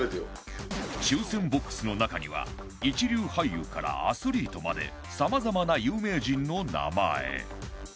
抽選 ＢＯＸ の中には一流俳優からアスリートまでさまざまな有名人の名前